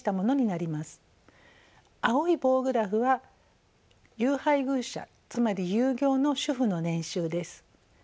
青い棒グラフは有配偶者つまり有業の主婦の年収です。